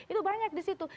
itu banyak di situ